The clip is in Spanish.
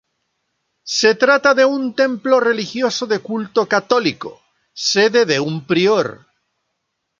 Se trata de un templo religioso de culto católico, sede de un prior.